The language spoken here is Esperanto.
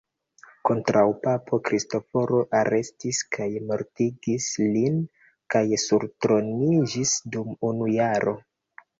Kontraŭpapo Kristoforo arestis kaj mortigis lin kaj surtroniĝis dum unu jaro.